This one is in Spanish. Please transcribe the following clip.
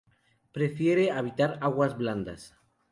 Prefiere habitar aguas blandas.